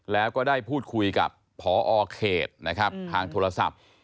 แล้วก็ได้พูดคุยกับพอเขตนะครับทางโทรศัพท์